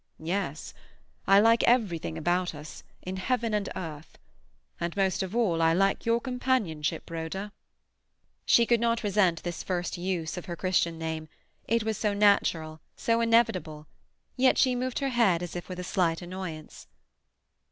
"Yes. I like everything about us, in heaven and earth, and most of all I like your companionship, Rhoda." She could not resent this first use of her Christian name; it was so natural, so inevitable; yet she moved her head as if with a slight annoyance.